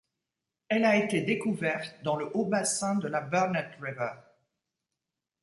Elle a été découverte dans le haut bassin de la Burnett River.